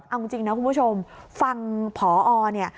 เอาจริงนะคุณผู้ชมฟังพอเนี่ย